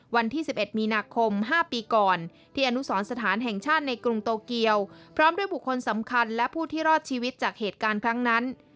วันที่๑๑มีนาคม๕ปีก่อนที่อนุสรสถานแห่งชาติในกรุงโตเกียวพร้อมด้วยบุคคลสำคัญและผู้ที่รอดชีวิตจากเหตุการณ์ครั้งนั้น